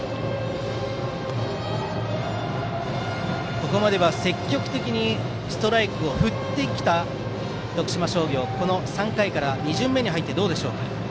ここまでは積極的にストライクを振ってきた徳島商業ですがこの３回から２巡目に入ってどうでしょうか。